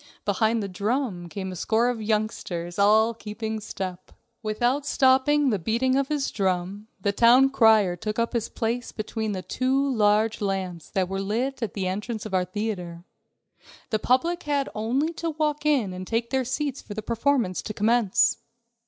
Behind the drum came a score of youngsters, all keeping step. Without stopping the beating of his drum, the town crier took up his place between the two large lamps that were lit at the entrance of our theater. The public had only to walk in and take their seats for the performance to commence.